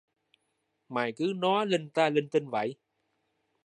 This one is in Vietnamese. Mày cứ nói linh ta linh tinh vậy